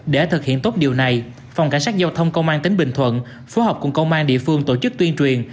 để thực hiện tốt điều này phòng cảnh sát giao thông công an tỉnh bình thuận phối hợp cùng công an địa phương tổ chức tuyên truyền